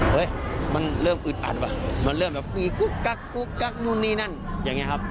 เฮ้ยมันเริ่มอึดอัดปะมันเริ่มแบบนู่นนี่นั่นอย่างเงี้ยครับ